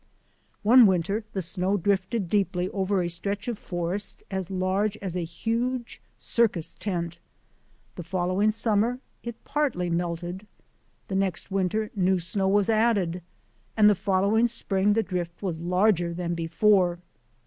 One winter the snow drifted deeply over a stretch of forest as large as a huge circus tent. The fol lowing summer it partly melted. The next winter new snow was added, and the following spring the drift was larger than before.